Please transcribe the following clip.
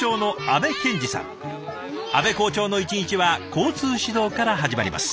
安部校長の１日は交通指導から始まります。